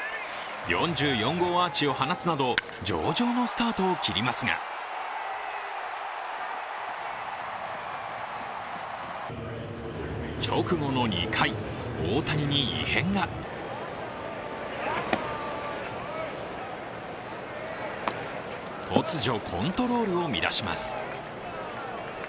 ４５号アーチを放つなど上々のスタートを切りますが直後の２回、大谷に異変が突如、コントロールを乱します。